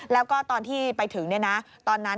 แล้วก็ตอนที่ไปถึงตอนนั้น